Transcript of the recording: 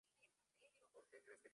Se encuentra en Perú.